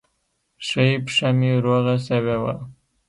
ښۍ پښه مې روغه سوې وه.